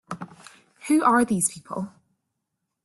Who are these people?